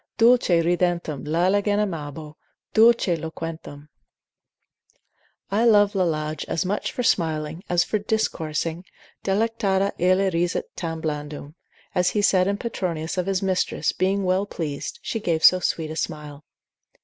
Dulce ridentem Lalagen amabo, Dulce loquentem, I love Lalage as much for smiling, as for discoursing, delectata illa risit tam blandum, as he said in Petronius of his mistress, being well pleased, she gave so sweet a smile.